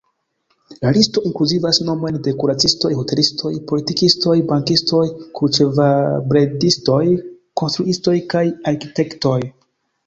La listo inkluzivas nomojn de kuracistoj, hotelistoj, politikistoj, bankistoj, kurĉevalbredistoj, konstruistoj kaj arkitektoj.